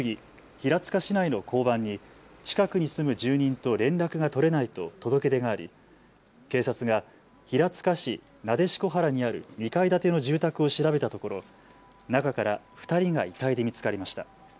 平塚市内の交番に近くに住む住人と連絡が取れないと届け出があり、警察が平塚市撫子原にある２階建ての住宅を調べたところ、中から２人が遺体で見つかりました。